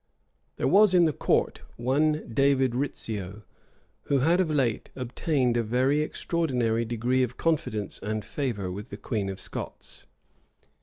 There was in the court one David Rizzio, who had of late obtained a very extraordinary degree of confidence and favor with the queen of Scots.